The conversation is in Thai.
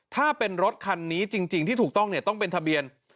ถ้าเป็นรถคันนี้จริงที่ถูกต้องต้องเป็นทะเบียน